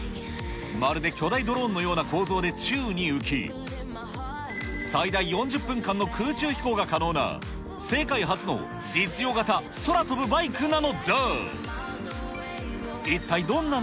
まるで巨大ドローンのような構造で宙に浮き、最大４０分間の空中飛行が可能な、世界初の実用型空飛ぶバイクなのだ。